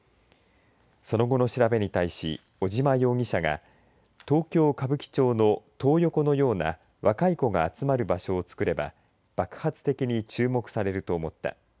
その後の調べに対し尾島容疑者が東京、歌舞伎町のトー横のような若い子が集まる場所をつくれば爆発的に注目されると思った。